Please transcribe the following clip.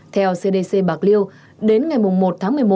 theo cdc bạc liêu đến ngày một tháng một mươi một